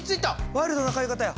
ワイルドな買い方や。